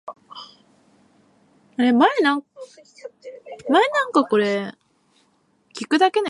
今日の夕飯はうどんでした